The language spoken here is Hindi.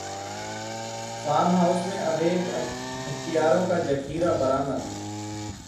फॉर्म हाउस में अवैध हथियारों का जखीरा बरामद